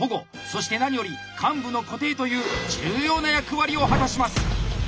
そして何より患部の固定という重要な役割を果たします。